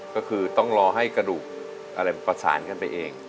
ก็คือต้องรอให้กระดูกอะไรประสานกันไปเอง